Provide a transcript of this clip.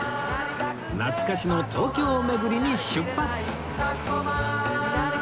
懐かしの東京巡りに出発